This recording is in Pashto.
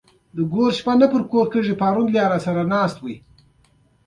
دوښمن مو له دوده وغورځاوو.